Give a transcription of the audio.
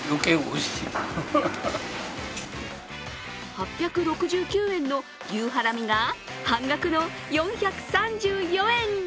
８６９円の牛ハラミが半額の４３４円。